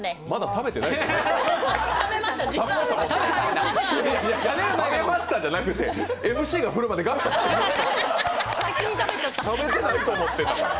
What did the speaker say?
食べてないと思って。